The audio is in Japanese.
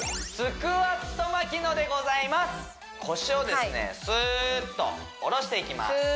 スーッとおろしていきます